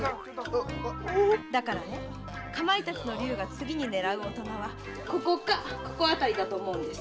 だからカマイタチの竜が次に狙うお店はここかここあたりだと思うんです。